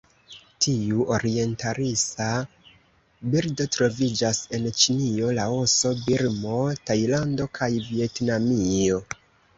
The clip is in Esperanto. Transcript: Tiu orientalisa birdo troviĝas en Ĉinio, Laoso, Birmo, Tajlando kaj Vjetnamio.